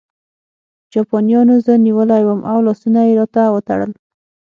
جاپانیانو زه نیولی وم او لاسونه یې راته وتړل